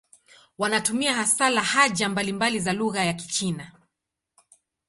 Wanatumia hasa lahaja mbalimbali za lugha ya Kichina.